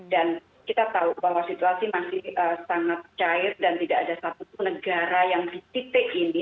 dan kita tahu bahwa situasi masih sangat cair dan tidak ada satu negara yang di titik ini